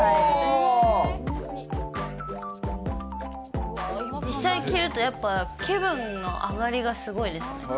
実際に着ると、やっぱ気分の上りがすごいですね。